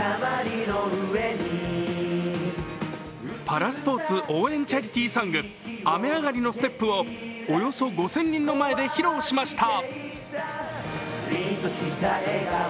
パラスポーツ応援チャリティーソング「雨あがりのステップ」をおよそ５０００人の前で披露しました。